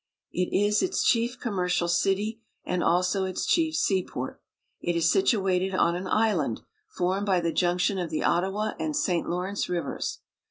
It is its chief commercial city, and also its chief seaport. It is situated on an island formed by the junction of the Ottawa and St. Lawrence rivers.